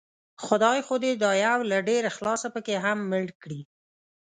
خدای خو دې دا يو له ډېر اخلاصه پکې هم مړ کړي